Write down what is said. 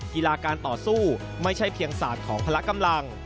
กีฬาการต่อสู้ไม่ใช่เพียงศาสตร์ของพละกำลัง